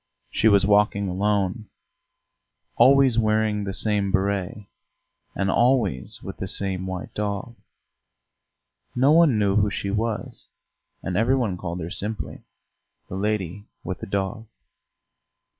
She was walking alone, always wearing the same béret, and always with the same white dog; no one knew who she was, and every one called her simply "the lady with the dog."